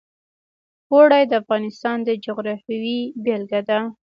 اوړي د افغانستان د جغرافیې بېلګه ده.